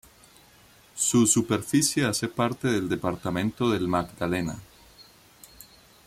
Su superficie hace parte del departamento del Magdalena.